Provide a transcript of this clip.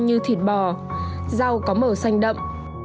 như thịt bò rau có màu xanh đậm